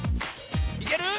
いける？